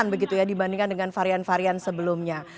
jadi ini lebih ringan dibandingkan dengan varian varian sebelumnya